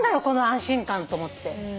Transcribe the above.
この安心感と思って。